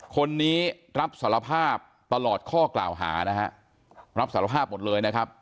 คนนี้รับสารภาพตลอดข้อกล่าวหานะฮะรับสารภาพหมดเลยนะครับ